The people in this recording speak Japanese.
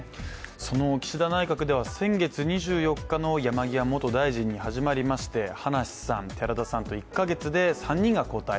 その岸田内閣では先月２４日の山際元大臣にはじまりまして葉梨さん、寺田さんと、１か月で３人が交代。